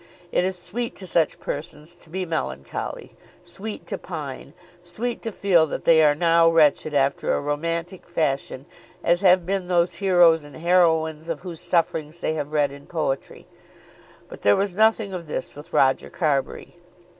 It is sweet to such persons to be melancholy, sweet to pine, sweet to feel that they are now wretched after a romantic fashion as have been those heroes and heroines of whose sufferings they have read in poetry. But there was nothing of this with Roger Carbury.